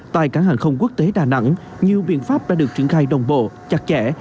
tại cảng hàng không quốc tế đà nẵng nhiều biện pháp đã được triển khai đồng bộ chặt chẽ